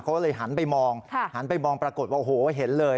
เขาเลยหันไปมองปรากฏว่าโอ้โฮเห็นเลย